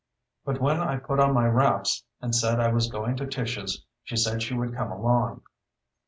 But when I put on my wraps and said I was going to Tish's she said she would come along.